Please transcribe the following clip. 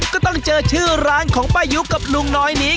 ก็ต้องเจอชื่อร้านของป้ายุกับลุงน้อยนี้